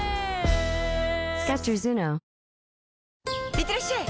いってらっしゃい！